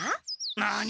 何？